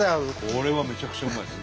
これはめちゃくちゃうまいです。